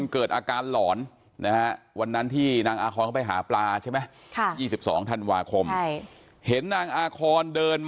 เกิดอาการหลอนนะฮะวันนั้นที่นางอาคอนเข้าไปหาปลาใช่ไหม